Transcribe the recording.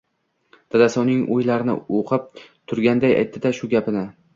Dadasi uning oʻylarini oʻqib turganday ayti-da shu gapni!